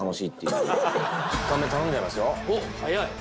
おっ早い！